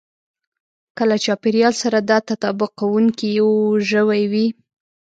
که له چاپېريال سره دا تطابق کوونکی يو ژوی وي.